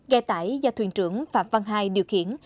ghe tải do thuyền trưởng phạm văn hai điều khiển